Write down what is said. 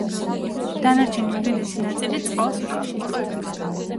დანარჩენი უდიდესი ნაწილი წყალს უკავია.